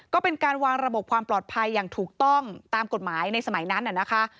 ก็เป็นการวางระบบความปลอดภัยอย่างถูกต้องตามกฎหมายในสมัยนั้นนะคะ